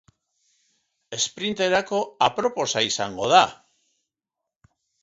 Esprinterako aproposa izango da.